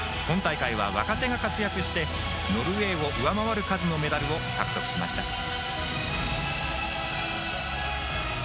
今大会は若手が活躍してノルウェーを上回る数のメダルを獲得しました。